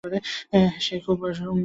সে খুব উন্মুক্ত।